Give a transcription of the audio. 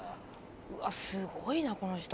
うわすごいなこの人。